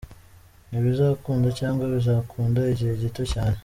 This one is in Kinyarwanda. ntibizakunda cg bizakunda igihe gito cyane.